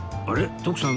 徳さん